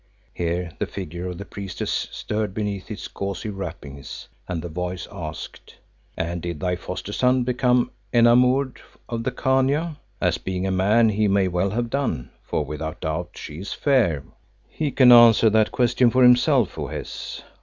Here the figure of the Priestess stirred beneath its gauzy wrappings, and the Voice asked "And did thy foster son become enamoured of the Khania, as being a man he may well have done, for without doubt she is fair?" "He can answer that question for himself, O Hes.